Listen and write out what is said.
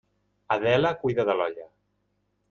Adela cuida de l'olla.